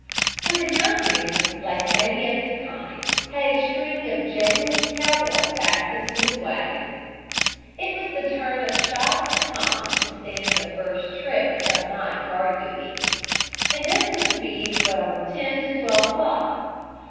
For the junk man, like many of his kind, had a string of jangling cowbells fastened to his wagon. It was the turn of Chot and Tom to stand the first "trick" of night guard duty, and this was to be from ten to twelve o'clock.